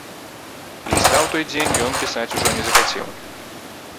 Ліста ў той дзень ён пісаць ужо не захацеў.